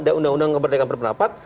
dan undang undang pemberitahuan berpendapat